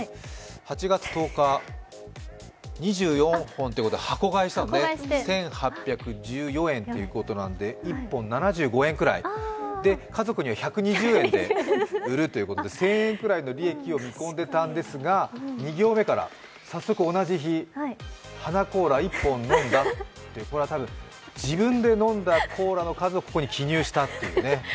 ８月１０日２４本ということなので箱買いしたのね１８１４円ということなんで１本７５円くらい、家族には１２０円で売るということで、１０００円くらいの利益を見込んでいたんですが、２行目から、早速同じ日、「花コーラ１本飲んだ」って、これは多分自分で飲んだコーラの数を記入したっっていうね。